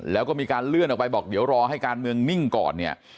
แล้วก็มีการเลื่อนออกไปรอให้การเมืองนิ่งก่อน